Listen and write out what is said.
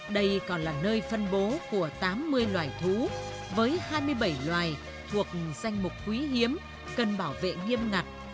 đây còn là nơi phân bố của tám mươi loài thú với hai mươi bảy loài thuộc danh mục quý hiếm cần bảo vệ nghiêm ngặt